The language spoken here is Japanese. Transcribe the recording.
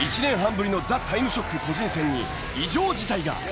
１年半ぶりの『ザ・タイムショック』個人戦に異常事態が！